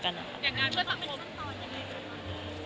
อย่างงานเพื่อสังคม